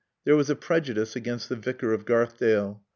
There was a prejudice against the Vicar of Garthdale.